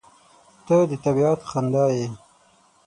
• ته د طبیعت خندا یې.